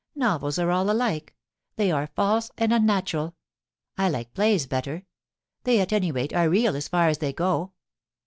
Novels are all alike ; they are false and unnatural I like plays better. They, at any rate, are real as far as they go.'